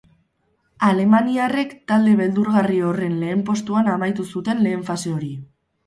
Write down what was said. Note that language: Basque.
Alemaniarrek talde beldurgarri horren lehen postuan amaitu zuten lehen fase hori.